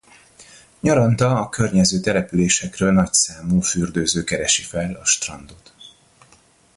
Nyaranta a környező településekről nagyszámú fürdőző keresi fel a strandot.